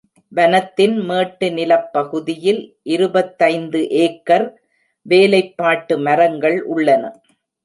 வனத்தின் மேட்டு நிலப்பகுதியில் இருபத்தைந்து ஏக்கர் வேலைப்பாட்டு மரங்கள் உள்ளன.